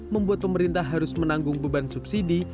membuat pemerintah harus menanggung beban subsidi